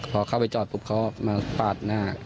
พอเข้าไปจอดปุ๊บเขามาปาดหน้า